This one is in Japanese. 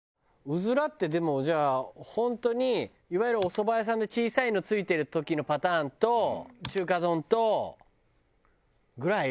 うずらってでもじゃあ本当にいわゆるおそば屋さんで小さいの付いてる時のパターンと中華丼とぐらい？